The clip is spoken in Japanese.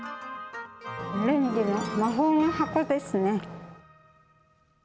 レンジは魔法の箱ですね。